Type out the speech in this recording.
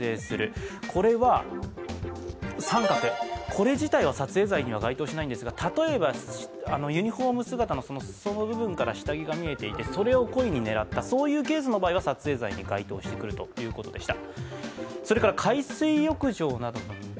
これ自体は撮影罪には該当しないんですが例えば、ユニフォーム姿のその部分から下着が見えていてそれを故意に狙ったそういうケースの場合は撮影罪に該当してくるということでした。